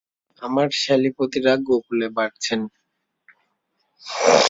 আমার শ্যালীপতিরা গোকুলে বাড়ছেন।